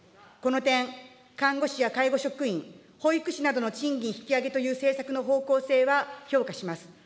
この点、看護師や介護職員、保育士などの賃金引き上げという政策の方向性は評価します。